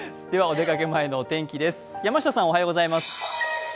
お出かけ前のお天気です。